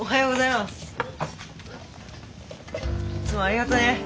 いつもありがとね！